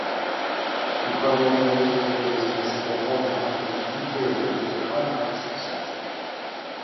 Equivalently, it is a simple polygon whose interior is a convex set.